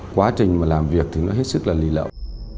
quá trình mà làm việc thì nó hết sức là lì lậu